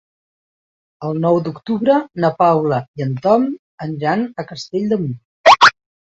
El nou d'octubre na Paula i en Tom aniran a Castell de Mur.